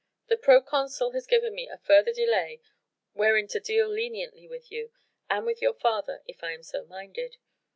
"The proconsul has given me a further delay wherein to deal leniently with you and with your father if I am so minded.